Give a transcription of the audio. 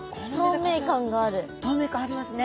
透明感ありますね。